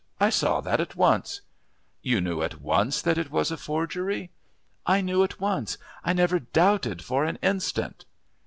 I saw that at once." "You knew at once that it was a forgery?" "I knew at once. I never doubted for an instant."